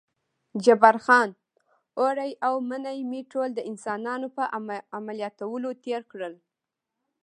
جبار خان: اوړی او منی مې ټول د انسانانو په عملیاتولو تېر کړل.